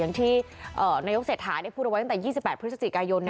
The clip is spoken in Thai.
ที่นายกเศรษฐาได้พูดเอาไว้ตั้งแต่๒๘พฤศจิกายน